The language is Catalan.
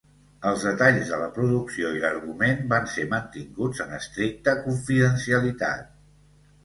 Els detalls de la producció i l'argument van ser mantinguts en estricta confidencialitat.